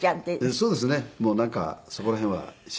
そうです。